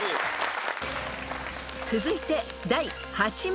［続いて第８問］